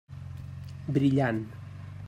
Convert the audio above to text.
Brillant.